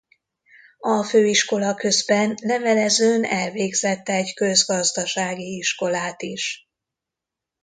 A főiskola közben levelezőn elvégzett egy közgazdasági iskolát is.